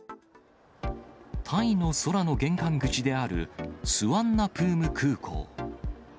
タイの空の玄関口であるスワンナプーム空港。